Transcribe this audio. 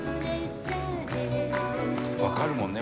「わかるもんね